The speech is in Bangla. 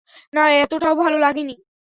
না, এতোটাও ভালো লাগে নি।